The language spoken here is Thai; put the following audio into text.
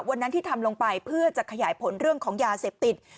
วันนั้นที่ทำลงไปเพื่อจะขยายผลเรื่องของยาเสพติด